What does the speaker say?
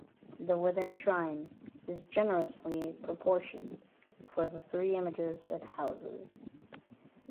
The wooden shrine is generously proportioned for the three images it houses.